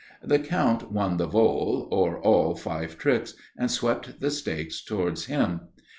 The Count won the vole, or all five tricks, and swept the stakes towards him.